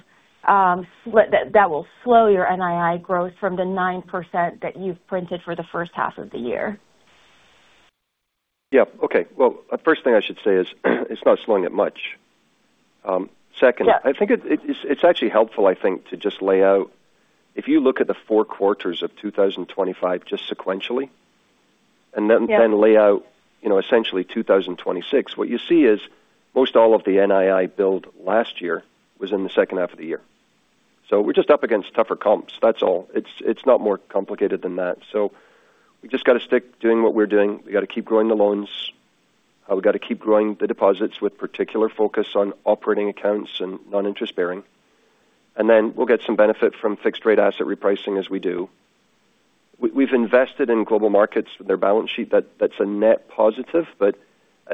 that will slow your NII growth from the 9% that you've printed for the first half of the year. Yeah. Okay. Well, first thing I should say is it's not slowing it much. Yeah. I think it's actually helpful, I think, to just lay out. If you look at the four quarters of 2025 just sequentially. Yeah. Lay out essentially 2026. What you see is most all of the NII build last year was in the second half of the year. We're just up against tougher comps, that's all. It's not more complicated than that. We just got to stick doing what we're doing. We got to keep growing the loans. We got to keep growing the deposits with particular focus on operating accounts and non-interest bearing. We'll get some benefit from fixed rate asset repricing as we do. We've invested in Global Markets with their balance sheet. That's a net positive, but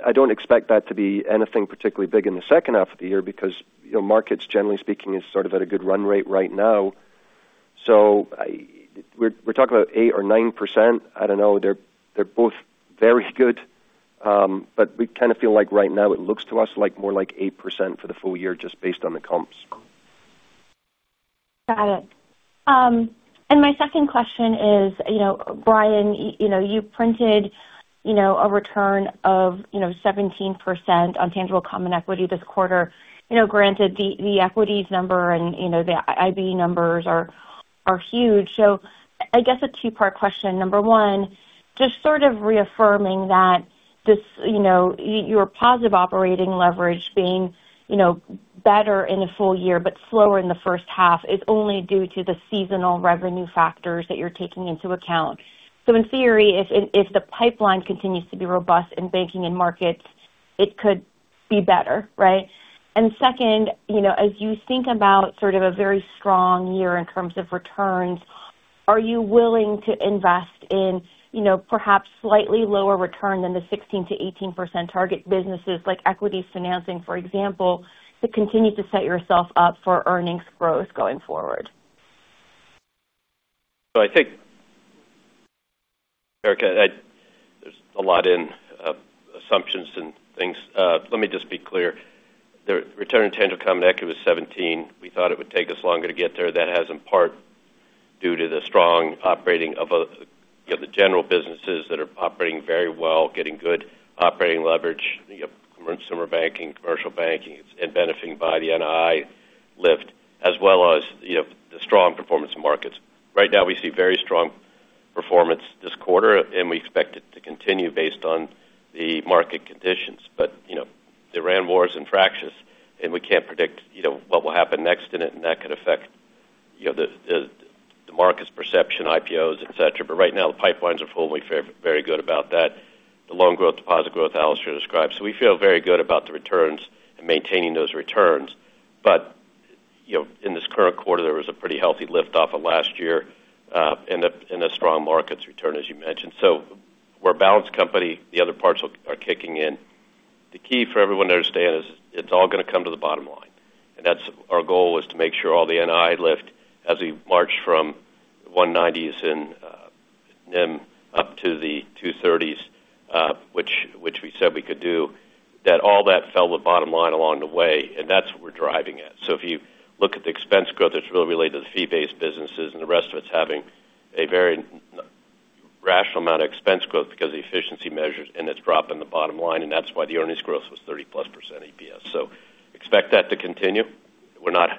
I don't expect that to be anything particularly big in the second half of the year because markets, generally speaking, is sort of at a good run rate right now. We're talking about 8% or 9%. I don't know. They're both very good. We kind of feel like right now it looks to us like more like 8% for the full year just based on the comps. Got it. My second question is, Brian, you printed a return of 17% on tangible common equity this quarter. Granted, the equities number and the IB numbers are huge. I guess a two-part question. Number one, just sort of reaffirming that your positive operating leverage being better in a full year but slower in the first half is only due to the seasonal revenue factors that you're taking into account. In theory, if the pipeline continues to be robust in banking and markets, it could be better, right? Second, as you think about sort of a very strong year in terms of returns, are you willing to invest in perhaps slightly lower return than the 16%-18% target businesses like equities financing, for example, to continue to set yourself up for earnings growth going forward? Erika, hey. There's a lot in assumptions and things. Let me just be clear. The return on tangible common equity was 17%. We thought it would take us longer to get there. That has in part due to the strong operating of the general businesses that are operating very well, getting good operating leverage, Consumer Banking, commercial banking, and benefiting by the NII lift as well as the strong performance markets. Right now, we see very strong performance this quarter, and we expect it to continue based on the market conditions. The Iran war is intractable, and we can't predict what will happen next in it, and that could affect the market's perception, IPOs, et cetera. Right now, the pipelines are feeling very good about that. The loan growth, deposit growth Alastair described. We feel very good about the returns and maintaining those returns. In this current quarter, there was a pretty healthy lift off of last year in a strong markets return, as you mentioned. We're a balanced company. The other parts are kicking in. The key for everyone to understand is it's all going to come to the bottom line, and that's our goal is to make sure all the NII lift as we march from 190s in NIM up to the 230s, which we said we could do. That all that fell the bottom line along the way, and that's what we're driving at. If you look at the expense growth, it's really related to the fee-based businesses, and the rest of it's having a very rational amount of expense growth because the efficiency measures, and it's dropping the bottom line, and that's why the earnings growth was 30+% EPS. Expect that to continue. We're not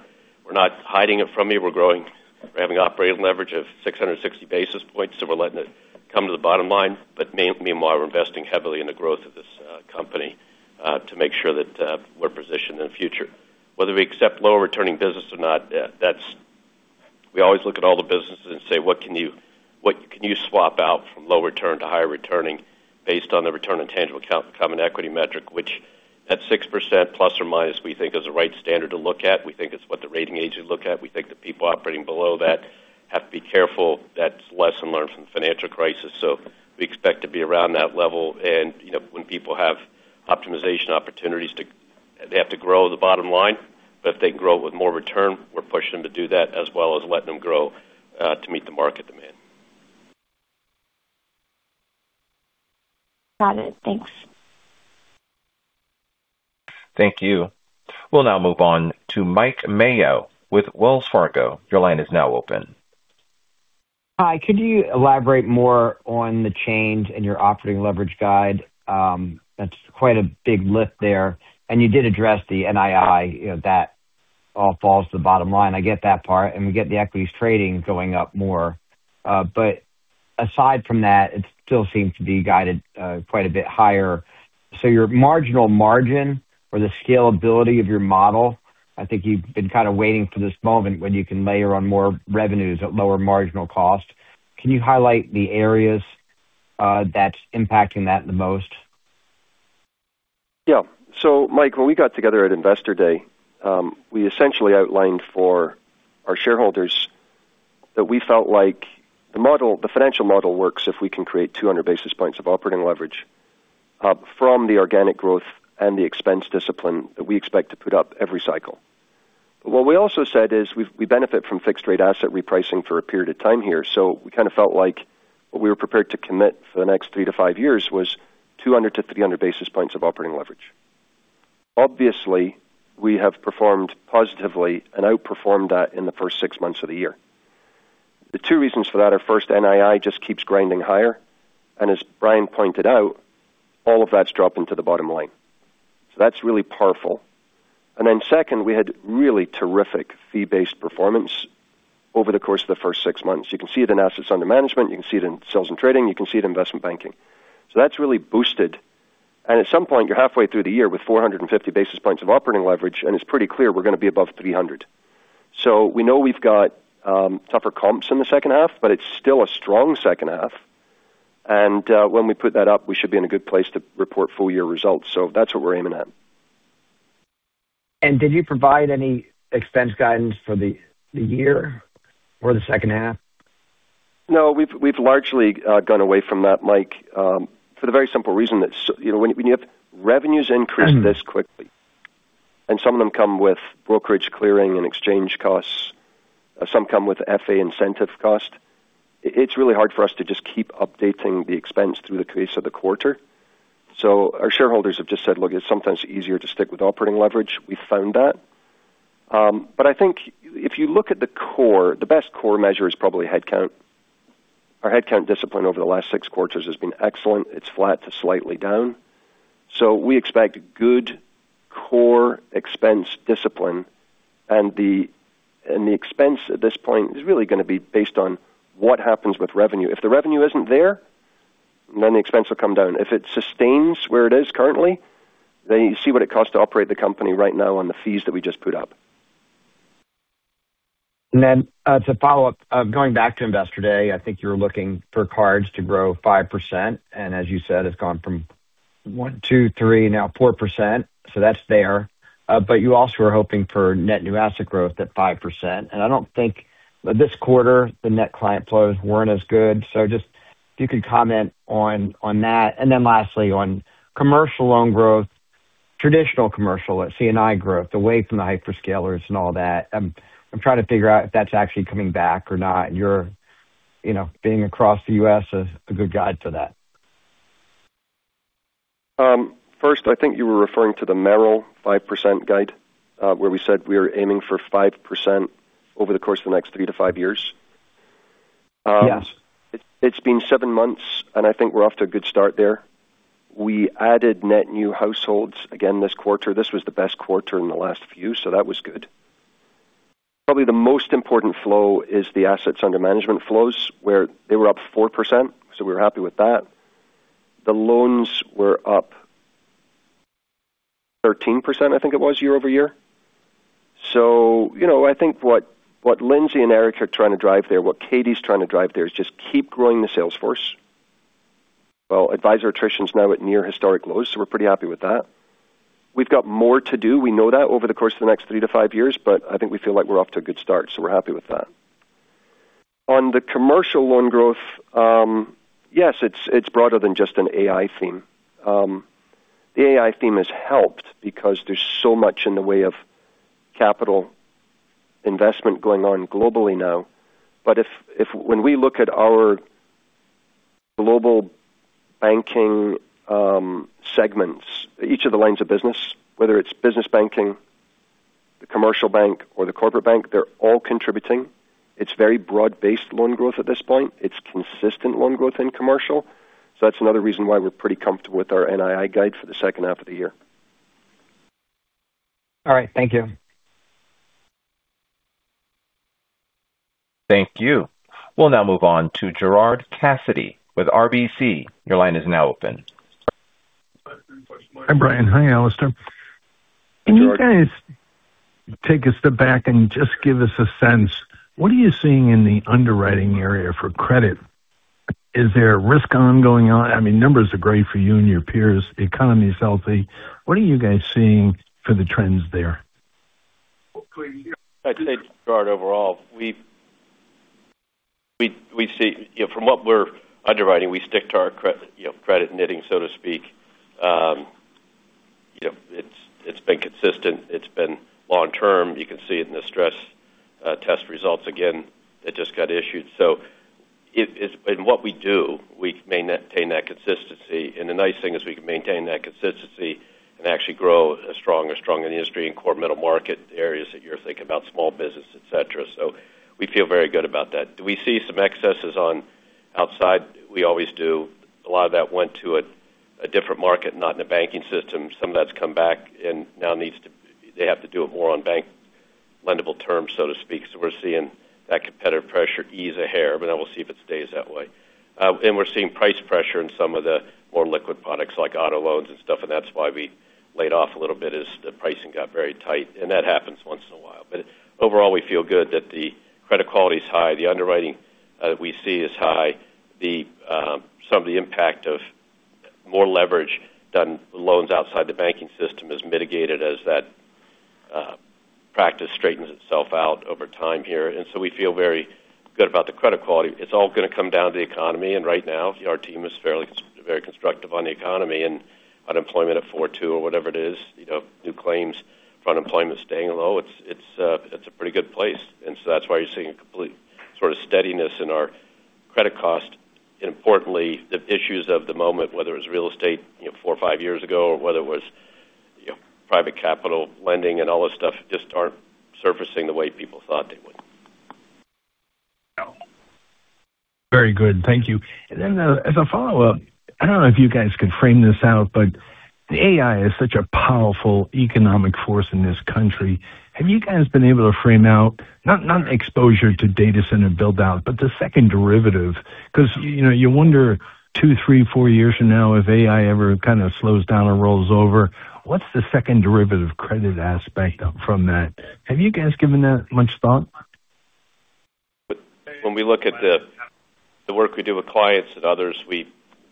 hiding it from you. We're growing. We're having operating leverage of 660 basis points. We're letting it come to the bottom line. Meanwhile, we're investing heavily in the growth of this company to make sure that we're positioned in the future. Whether we accept lower returning business or not, we always look at all the businesses and say, "What can you swap out from low return to higher returning based on the return on tangible common equity metric?" Which at 6% ±, we think is the right standard to look at. We think it's what the rating agents look at. We think the people operating below that have to be careful. That's lesson learned from the financial crisis. We expect to be around that level. When people have optimization opportunities, they have to grow the bottom line. If they can grow it with more return, we're pushing them to do that as well as letting them grow to meet the market demand. Got it. Thanks. Thank you. We'll now move on to Mike Mayo with Wells Fargo. Your line is now open. Hi. Could you elaborate more on the change in your operating leverage guide? That's quite a big lift there. You did address the NII. That all falls to the bottom line. I get that part, and we get the equities trading going up more. Aside from that, it still seems to be guided quite a bit higher. Your marginal margin or the scalability of your model, I think you've been kind of waiting for this moment when you can layer on more revenues at lower marginal cost. Can you highlight the areas that's impacting that the most? Yeah. Mike, when we got together at Investor Day, we essentially outlined for our shareholders that we felt like the financial model works if we can create 200 basis points of operating leverage from the organic growth and the expense discipline that we expect to put up every cycle. What we also said is we benefit from fixed rate asset repricing for a period of time here. We kind of felt like what we were prepared to commit for the next three to five years was 200-300 basis points of operating leverage. Obviously, we have performed positively and outperformed that in the first six months of the year. The two reasons for that are, first, NII just keeps grinding higher, and as Brian pointed out, all of that's dropping to the bottom line. That's really powerful. Second, we had really terrific fee-based performance over the course of the first six months. You can see it in assets under management. You can see it in sales and trading. You can see it investment banking. That's really boosted. At some point, you're halfway through the year with 450 basis points of operating leverage, and it's pretty clear we're going to be above 300. We know we've got tougher comps in the second half, but it's still a strong second half. When we put that up, we should be in a good place to report full year results. That's what we're aiming at. Did you provide any expense guidance for the year or the second half? No, we've largely gone away from that, Mike, for the very simple reason that when you have revenues increase this quickly, and some of them come with brokerage clearing and exchange costs, some come with FA incentive cost. It's really hard for us to just keep updating the expense through the case of the quarter. Our shareholders have just said, "Look, it's sometimes easier to stick with operating leverage." We found that. I think if you look at the core, the best core measure is probably headcount. Our headcount discipline over the last six quarters has been excellent. It's flat to slightly down. We expect good core expense discipline. The expense at this point is really going to be based on what happens with revenue. If the revenue isn't there, the expense will come down. If it sustains where it is currently, you see what it costs to operate the company right now on the fees that we just put up. As a follow-up, going back to Investor Day, I think you're looking for cards to grow 5%, and as you said, it's gone from 1%, 2%, 3%, now 4%, that's there. You also are hoping for net new asset growth at 5%. I don't think this quarter the net client flows weren't as good. Just if you could comment on that. Lastly, on commercial loan growth, traditional C&I growth away from the hyperscalers and all that. I'm trying to figure out if that's actually coming back or not. Your being across the U.S. is a good guide for that. First, I think you were referring to the Merrill 5% guide, where we said we are aiming for 5% over the course of the next three-five years. Yeah. It's been seven months, I think we're off to a good start there. We added net new households again this quarter. This was the best quarter in the last few, that was good. Probably the most important flow is the assets under management flows, where they were up 4%, we're happy with that. The loans were up 13%, I think it was year-over-year. I think what Lindsay and Eric are trying to drive there, what Katy's trying to drive there is just keep growing the sales force. Well, advisor attrition is now at near historic lows, we're pretty happy with that. We've got more to do. We know that over the course of the next three-five years, I think we feel like we're off to a good start, we're happy with that. On the commercial loan growth, yes, it's broader than just an AI theme. The AI theme has helped because there's so much in the way of capital investment going on globally now. When we look at our Global Banking segments, each of the lines of business, whether it's business banking, the commercial bank or the corporate bank, they're all contributing. It's very broad-based loan growth at this point. It's consistent loan growth in commercial. That's another reason why we're pretty comfortable with our NII guide for the second half of the year. All right. Thank you. Thank you. We'll now move on to Gerard Cassidy with RBC. Your line is now open. Hi, Brian. Hi, Alastair. Can you guys take a step back and just give us a sense, what are you seeing in the underwriting area for credit? Is there risk ongoing on? I mean, numbers are great for you and your peers. The economy is healthy. What are you guys seeing for the trends there? I'd say, Gerard, overall, from what we're underwriting, we stick to our credit knitting, so to speak. It's been consistent. It's been long-term. You can see it in the stress test results again that just got issued. In what we do, we maintain that consistency. The nice thing is we can maintain that consistency and actually grow as strong or stronger in the industry in core middle market areas that you're thinking about, small business, et cetera. We feel very good about that. Do we see some excesses on outside? We always do. A lot of that went to a different market, not in the banking system. Some of that's come back and now they have to do it more on bank lendable terms, so to speak. We'll see if it stays that way. We're seeing price pressure in some of the more liquid products like auto loans and stuff, that's why we laid off a little bit as the pricing got very tight. That happens once in a while. Overall, we feel good that the credit quality is high, the underwriting that we see is high. Some of the impact of more leverage done loans outside the banking system is mitigated as that practice straightens itself out over time here. We feel very good about the credit quality. It's all going to come down to the economy, right now, our team is very constructive on the economy and unemployment at 4.2% or whatever it is. New claims for unemployment staying low. It's a pretty good place. That's why you're seeing a complete sort of steadiness in our credit cost. Importantly, the issues of the moment, whether it's real estate four or five years ago or whether it was private capital lending and all this stuff, just aren't surfacing the way people thought they would. Very good. Thank you. As a follow-up, I don't know if you guys could frame this out, AI is such a powerful economic force in this country. Have you guys been able to frame out, not exposure to data center build-out, but the second derivative? Because you wonder two, three, four years from now if AI ever kind of slows down or rolls over. What's the second derivative credit aspect from that? Have you guys given that much thought? When we look at the work we do with clients and others, we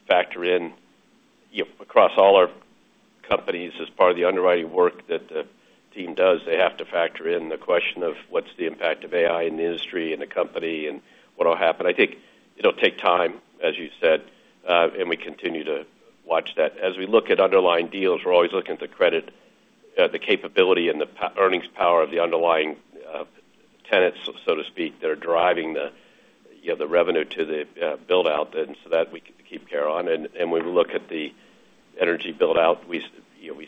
factor in across all our companies as part of the underwriting work that the team does. They have to factor in the question of what's the impact of AI in the industry and the company and what will happen. I think it'll take time, as you said, we continue to watch that. As we look at underlying deals, we're always looking at the credit, the capability and the earnings power of the underlying tenants, so to speak, that are driving the revenue to the build-out. That we can keep care on. When we look at the energy build-out, we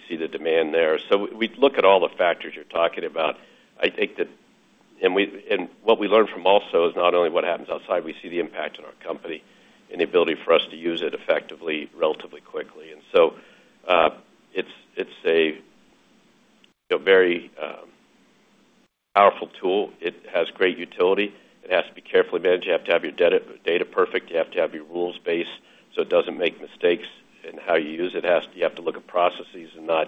see the demand there. We look at all the factors you're talking about. What we learn from also is not only what happens outside, we see the impact on our company and the ability for us to use it effectively, relatively quickly. It's a very powerful tool. It has great utility. It has to be carefully managed. You have to have your data perfect. You have to have your rules base so it doesn't make mistakes in how you use it. You have to look at processes and not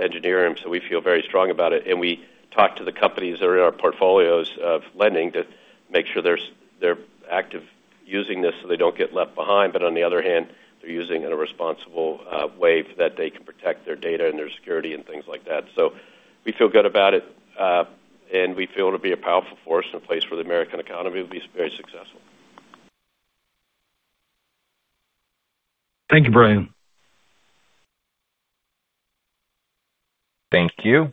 engineer them. We feel very strong about it, and we talk to the companies that are in our portfolios of lending to make sure they're active using this so they don't get left behind. On the other hand, they're using it in a responsible way so that they can protect their data and their security and things like that. We feel good about it. We feel it'll be a powerful force in place for the American economy. It'll be very successful. Thank you, Brian. Thank you.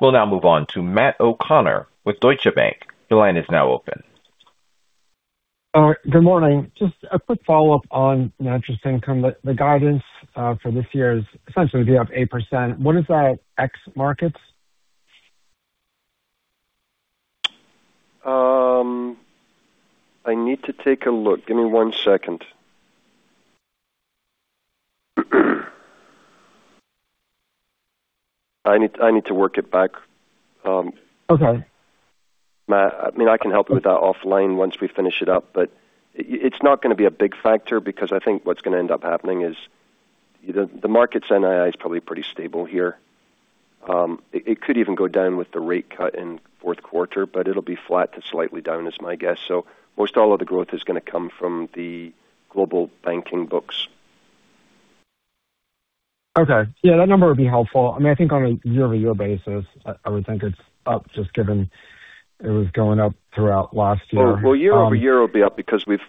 We'll now move on to Matt O'Connor with Deutsche Bank. Your line is now open. Good morning. Just a quick follow-up on net interest income. The guidance for this year is essentially to be up 8%. What is that ex markets? I need to take a look. Give me one second. I need to work it back. Okay. Matt, I can help with that offline once we finish it up. It's not going to be a big factor because I think what's going to end up happening is the markets NII is probably pretty stable here. It could even go down with the rate cut in fourth quarter, but it'll be flat to slightly down is my guess. Most all of the growth is going to come from the Global Banking books. Okay. Yeah, that number would be helpful. I think on a year-over-year basis, I would think it's up just given it was going up throughout last year. Well, year-over-year it'll be up because we've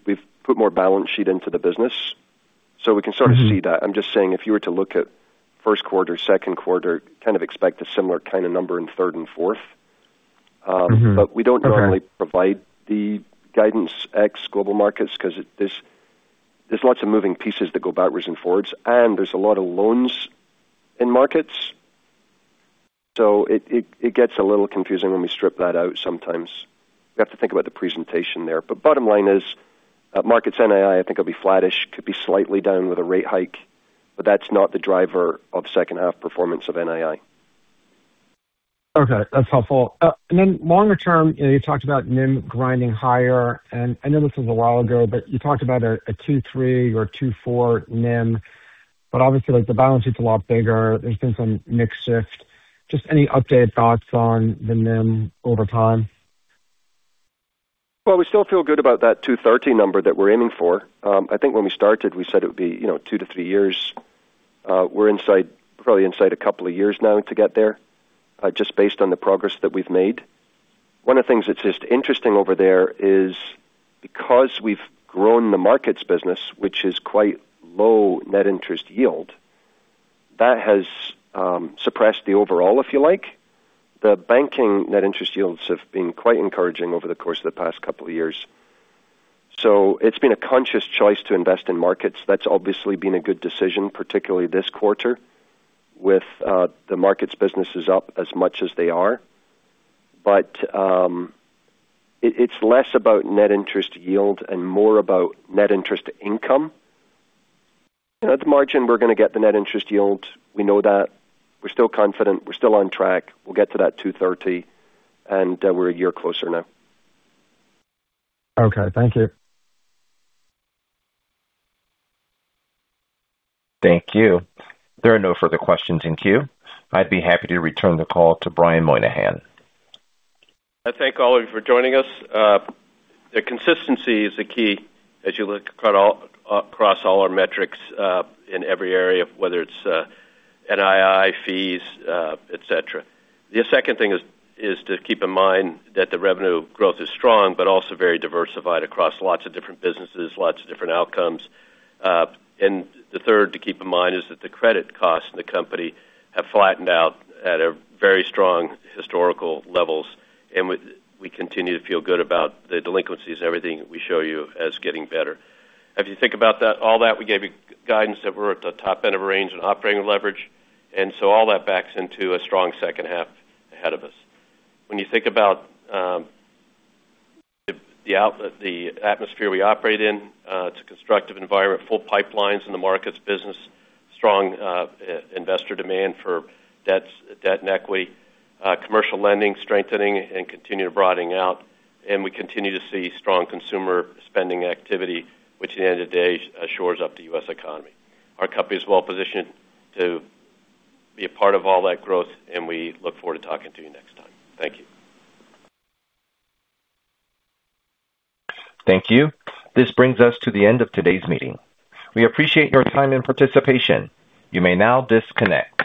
put more balance sheet into the business. We can sort of see that. I'm just saying if you were to look at first quarter, second quarter, kind of expect a similar kind of number in third and fourth. Mm-hmm. Okay. We don't normally provide the guidance ex Global Markets because there's lots of moving pieces that go backwards and forwards, and there's a lot of loans in markets. It gets a little confusing when we strip that out sometimes. We have to think about the presentation there. Bottom line is markets NII I think will be flattish, could be slightly down with a rate hike, but that's not the driver of second half performance of NII. Okay. That's helpful. Longer term, you talked about NIM grinding higher, and I know this was a while ago, but you talked about a two-three or a two-four NIM, but obviously the balance sheet's a lot bigger. There's been some mix shift. Just any updated thoughts on the NIM over time? Well, we still feel good about that 230 number that we're aiming for. I think when we started, we said it would be two to three years. We're probably inside a couple of years now to get there just based on the progress that we've made. One of the things that's just interesting over there is because we've grown the markets business, which is quite low net interest yield, that has suppressed the overall, if you like. The banking net interest yields have been quite encouraging over the course of the past couple of years. It's been a conscious choice to invest in markets. That's obviously been a good decision, particularly this quarter with the markets businesses up as much as they are. It's less about net interest yield and more about net interest income. At the margin, we're going to get the net interest yield. We know that. We're still confident. We're still on track. We'll get to that 230, and we're a year closer now. Okay. Thank you. Thank you. There are no further questions in queue. I'd be happy to return the call to Brian Moynihan. I thank all of you for joining us. The consistency is a key as you look across all our metrics in every area, whether it's NII, fees, et cetera. The second thing is to keep in mind that the revenue growth is strong but also very diversified across lots of different businesses, lots of different outcomes. The third to keep in mind is that the credit costs in the company have flattened out at very strong historical levels, and we continue to feel good about the delinquencies and everything that we show you as getting better. If you think about all that, we gave you guidance that we're at the top end of a range in operating leverage, all that backs into a strong second half ahead of us. When you think about the atmosphere we operate in, it's a constructive environment. Full pipelines in the markets business, strong investor demand for debt and equity, commercial lending strengthening and continue broadening out. We continue to see strong consumer spending activity, which at the end of the day shores up the U.S. economy. Our company is well-positioned to be a part of all that growth, and we look forward to talking to you next time. Thank you. Thank you. This brings us to the end of today's meeting. We appreciate your time and participation. You may now disconnect.